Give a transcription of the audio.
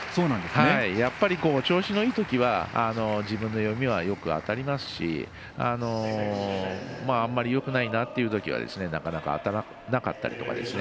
やっぱり調子のいいときは自分の読みはよく当たりますし、あんまりよくないなっていうときはなかなか当たらなかったりとか。